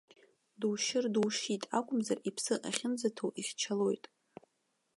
Душьыр душьит акәымзар, иԥсы ахьынӡаҭоу ихьчалоит.